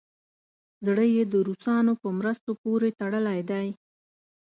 زړه یې د روسانو په مرستو پورې تړلی دی.